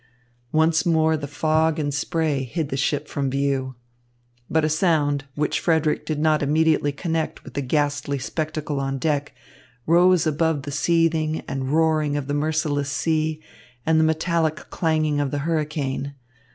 Once more the fog and spray hid the ship from view. But a sound, which Frederick did not immediately connect with the ghastly spectacle on the deck, rose above the seething and roaring of the merciless sea and the metallic clanging of the hurricane.